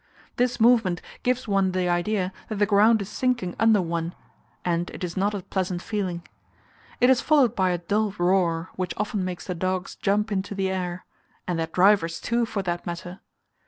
This movement gives one the idea that the ground is sinking under one, and it is not a pleasant feeling. It is followed by a dull roar, which often makes the dogs jump into the air and their drivers, too, for that matter.